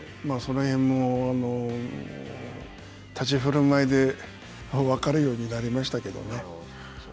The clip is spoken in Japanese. その辺も立ち振る舞いで分かるようになりましたけどね。